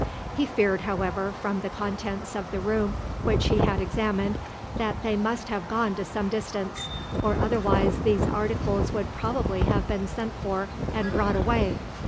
He feared, however, from the contents of the room which he had examined, that they must have gone to some distance, or otherwise these articles would probably have been sent for and brought away.